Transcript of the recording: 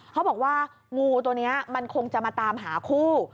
เขาบอกว่างูตัวนี้มันคงจะมาตามหาคู่